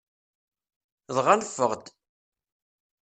Dɣa neffeɣ-d.